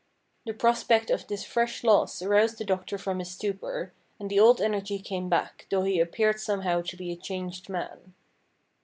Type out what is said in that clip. The prospect of this fresh loss aroused the doctor from his stupor, and the old energy came back, though he appeared somehow to be a changed man.